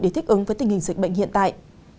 để thích ứng với tình hình dịch bệnh hiện tại